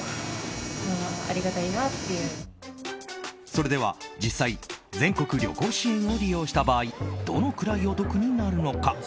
それでは、実際全国旅行支援を利用した場合どのくらいお得になるのか。